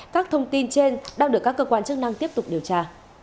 các thông tin trên đang được các cơ quan chức năng tiếp tục điều tra